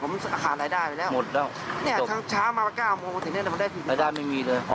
ผมขาดรายได้ไปแล้วทั้งเช้ามาประกาศ๙โมงถึงเนี่ยแต่ผมได้๔๐บาทรายได้ไม่มีเลย